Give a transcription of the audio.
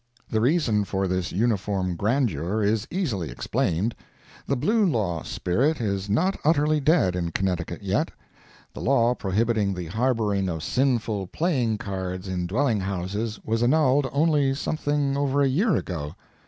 The reason for this uniform grandeur is easily explained. The Blue Law spirit is not utterly dead in Connecticut yet. The law prohibiting the harboring of sinful playing cards in dwelling houses was annulled only something over a year ago.